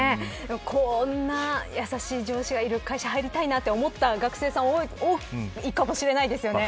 こんなやさしい上司がいる会社入りたいなと思った学生さんは多いかもしれませんね。